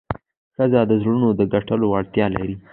ښځه د زړونو د ګټلو وړتیا لري.